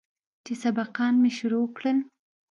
چې سبقان مې شروع کړل.